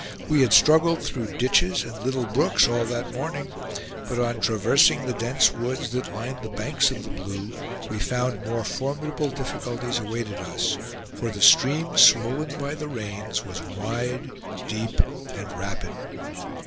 We had struggled through ditches and little brooks all that morning; but on traversing the dense woods that lined the banks of the Blue, we found more formidable difficulties awaited us, for the stream, swollen by the rains, was wide, deep, and rapid.